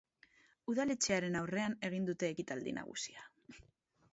Udaletxearen aurrean egin dute ekitaldi nagusia.